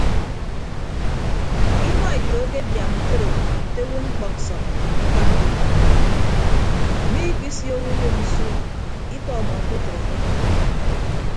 Inua eto akebiaam ntoro nte owo mkpọ nsọp akpanuyom mmikpisiooho uyo nsuuk ikọ ọmọ akpetre ke añwan.